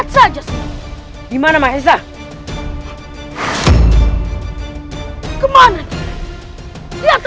tenang teman hebat